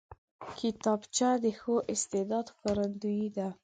کتابچه د ښو استعداد ښکارندوی ده